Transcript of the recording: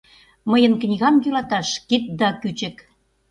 Мыйын книгам йӱлаташ кидда кӱчык!